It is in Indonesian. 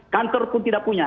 kanker pun tidak punya